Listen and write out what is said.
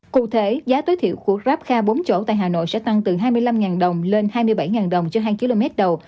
cụ thể giá tối thiểu của grab kha bốn chỗ tại hà nội sẽ tăng từ hai mươi năm đồng lên hai mươi bảy đồng cho hai km đầu